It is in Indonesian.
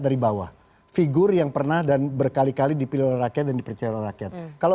dari bawah figur yang pernah dan berkali kali dipilih oleh rakyat dan dipercaya oleh rakyat kalau